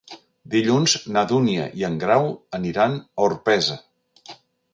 Dilluns na Dúnia i en Grau aniran a Orpesa.